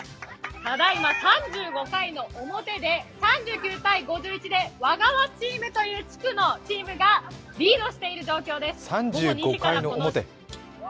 ただいま３５回の表で３９−５１で和川チームという地区のチームがリードしている状況です。